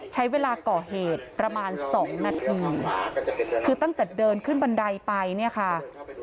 ใช้เวลาก่อเหตุประมาณสองนาทีคือตั้งแต่เดินขึ้นบันไดไปเนี่ยค่ะ